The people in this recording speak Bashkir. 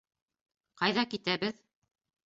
Ҡайҙа китәбеҙ?